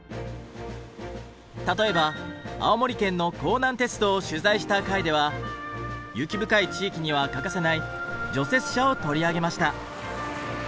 例えば青森県の弘南鉄道を取材した回では雪深い地域には欠かせない除雪車を取り上げました。